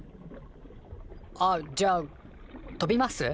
あっじゃあ飛びます？